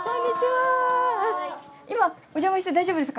今お邪魔して大丈夫ですか？